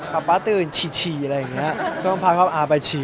ป๊าป๊าตื่นชีอะไรอย่างนี้